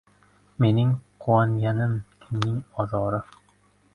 Mening quvonganim – kimning ozori.